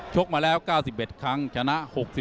กมาแล้ว๙๑ครั้งชนะ๖๔